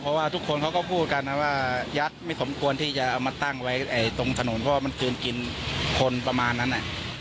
เพราะว่าทุกคนเขาก็พูดกันนะว่ายัดไม่สมควรที่จะเอามาตั้งไว้ตรงถนนเพราะว่ามันคืนกินคนประมาณนั้น